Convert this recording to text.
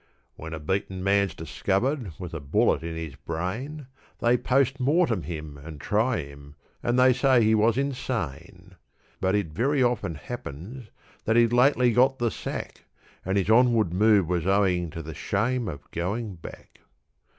When a beaten man's discovered with a bullet in his brain, They POST MORTEM him, and try him, and they say he was insane; But it very often happens that he'd lately got the sack, And his onward move was owing to the shame of going back.